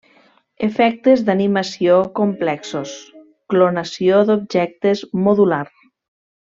Efectes d'animació complexos, clonació d'objectes modular.